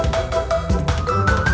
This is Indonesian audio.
pernah ga bisa